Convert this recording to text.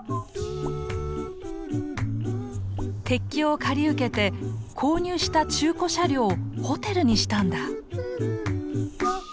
鉄橋を借り受けて購入した中古車両をホテルにしたんだ。